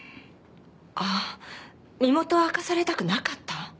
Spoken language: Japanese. あっ身元を明かされたくなかった？